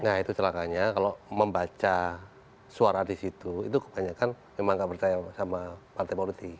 nah itu celakanya kalau membaca suara di situ itu kebanyakan memang nggak percaya sama partai politik